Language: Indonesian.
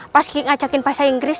pas ngajakin bahasa inggris